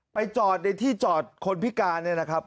ไปจอดในที่จอดคนพิการเนี่ยนะครับ